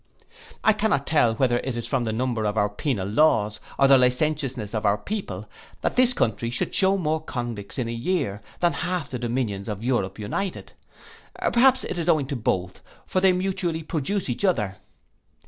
I cannot tell whether it is from the number of our penal laws, or the licentiousness of our people, that this country should shew more convicts in a year, than half the dominions of Europe united. Perhaps it is owing to both; for they mutually produce each other.